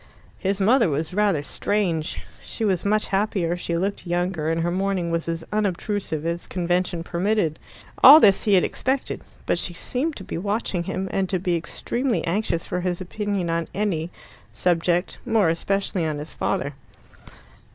His mother was rather strange. She was much happier, she looked younger, and her mourning was as unobtrusive as convention permitted. All this he had expected. But she seemed to be watching him, and to be extremely anxious for his opinion on any, subject more especially on his father.